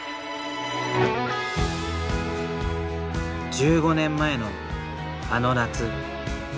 １５年前のあの夏。